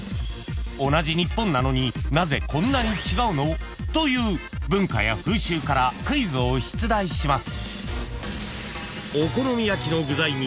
［同じ日本なのになぜこんなに違うの？という文化や風習からクイズを出題します］